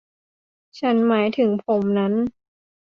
ฉันหมายถึงผมนั้น